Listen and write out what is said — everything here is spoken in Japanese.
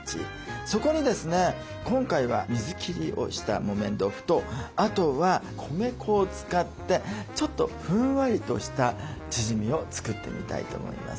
そこにですね今回は水切りをした木綿豆腐とあとは米粉を使ってちょっとふんわりとしたチヂミを作ってみたいと思います。